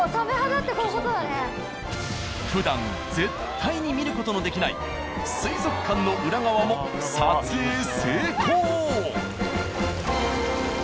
ふだん絶対に見る事のできない水族館の裏側も撮影成功！